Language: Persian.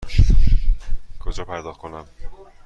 کجا پرداخت کنم؟